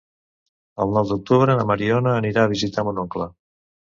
El nou d'octubre na Mariona anirà a visitar mon oncle.